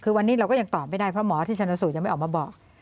คือวันนี้เราก็ยังตอบไม่ได้เพราะหมอที่ชนสูตรยังไม่ออกมาบอก